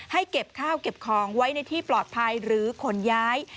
ให้เก็บข้าวเก็บของไว้ในที่ปลอดภัยหรือขนย้าย